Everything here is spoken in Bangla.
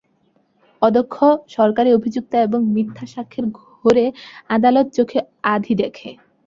অদক্ষ সরকারি অভিযোক্তা এবং মিথ্যা সাক্ষ্যের ঘোরে আদালত চোখে আঁধি দেখে।